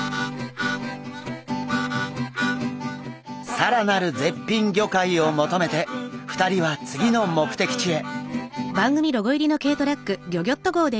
更なる絶品魚介を求めて２人は次の目的地へ。